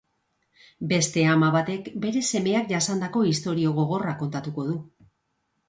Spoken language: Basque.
Beste ama batek bere semeak jasandako istorio gogorra kontatuko du.